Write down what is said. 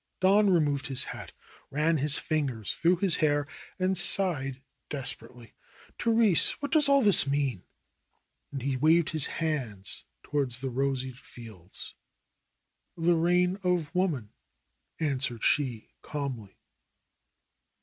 Don removed his hat, ran his fingers through his hair and sighed desperately, "Therese, what does all this mean?" and he waved his hands toward the roseate fields. "The reign of woman," answered she calmly.